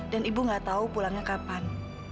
dan ibu nggak tahu pulangnya kapan